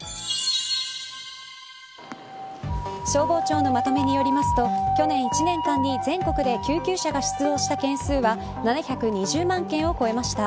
消防庁のまとめによりますと去年１年間に全国で救急車が出動した件数は７２０万件を超えました。